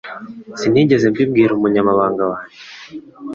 Sinigeze mbibwira umunyamabanga wanjye